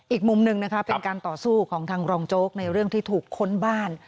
อีกมุมหนึ่งนะคะเป็นการต่อสู้ของทางรองโจ๊กในเรื่องที่ถูกค้นบ้าน